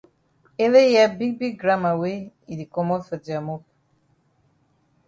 Ele hear big big gramma wey e di komot for dia mop.